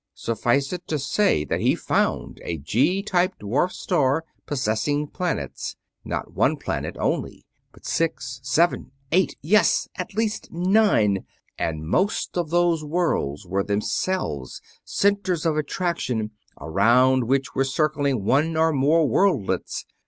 Suffice it to say that he found a G type dwarf star possessing planets not one planet only, but six ... seven ... eight ... yes, at least nine! And most of those worlds were themselves centers of attraction around which were circling one or more worldlets!